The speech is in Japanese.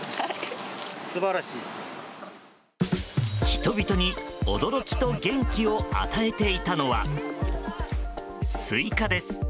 人々に驚きと元気を与えていたのはスイカです。